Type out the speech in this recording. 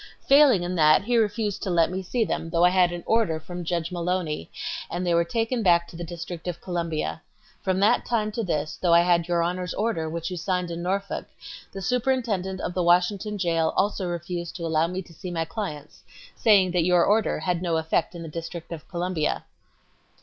Failing in that, he refused to let me see them, though I had an order from Judge Mullowny, and they were taken back to the District of Columbia. From that time to this, though I had your Honor's order which you signed in Norfolk, the superintendent of the Washington jail also refused to allow me to see my clients, saying that your order had no effect in the District of Columbia."